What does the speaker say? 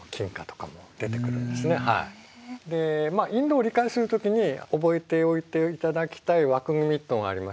インドを理解する時に覚えておいていただきたい枠組みっていうのがありましてね